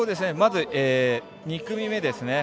まず、２組目。